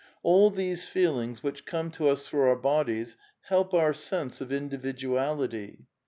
All these feelings which come to us through our bodies help our sense of individu ality.